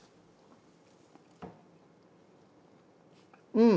うん！